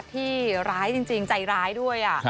ที่ร้ายจริงใจร้ายด้วย